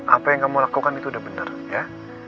apa yang kamu lakukan itu udah benar ya